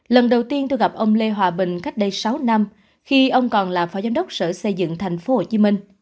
lần đầu tiên tôi gặp ông lê hòa bình cách đây sáu năm khi ông còn là phó giám đốc sở xây dựng tp hcm